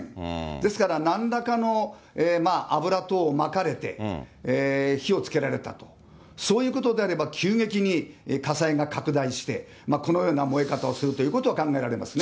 ですから、なんらかの油等まかれて火をつけられたと、そういうことであれば、急激に火災が拡大して、このような燃え方をするということは考えられますね。